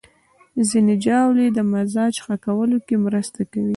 ځینې ژاولې د مزاج ښه کولو کې مرسته کوي.